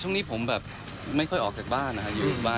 ช่วงนี้ผมแบบไม่ค่อยออกออกจากบ้านนะ